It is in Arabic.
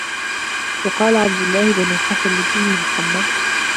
وَقَالَ عَبْدُ اللَّهِ بْنُ الْحَسَنِ لِابْنِهِ مُحَمَّدٍ